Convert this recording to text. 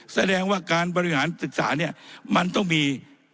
แสดงว่าการบริหารศึกษาเนี่ยมันต้องมี